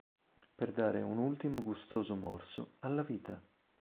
Per dare un ultimo gustoso morso alla vita.